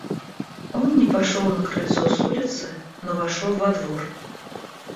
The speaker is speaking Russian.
Он не пошел на крыльцо с улицы, но вошел во двор.